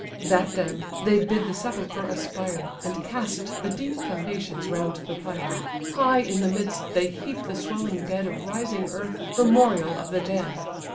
That done, they bid the sepulchre aspire, And cast the deep foundations round the pyre; High in the midst they heap the swelling bed Of rising earth, memorial of the dead.